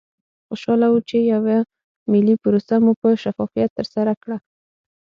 خوشحاله وو چې یوه ملي پروسه مو په شفافیت ترسره کړه.